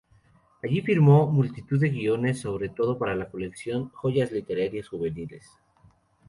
Allí firmó multitud de guiones, sobre todo para la colección Joyas Literarias Juveniles.